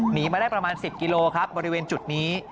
หนีมาได้ประมาณ๑๐กิโลครับบริเวณจุดนี้